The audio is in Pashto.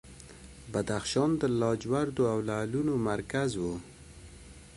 بدخشان د لاجوردو او لعلونو مرکز و